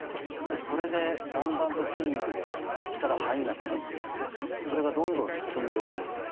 それでだんだんと筋肉が力入らなくなってきてそれがどんどん進んでいる状態。